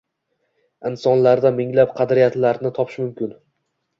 Insonlarda minglab qadriyatlarni topish mumkin